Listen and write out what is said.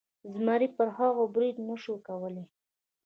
زمري پر هغوی برید نشو کولی.